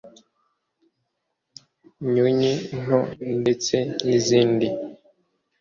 Nyonyi Ntono ndetse n’izindi